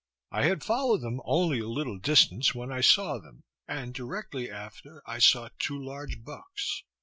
I had followed them only a little distance when I saw them, and directly after I saw two large bucks.